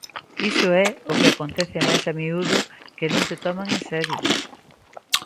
Iso é o que acontece máis a miúdo, que non te toman en serio.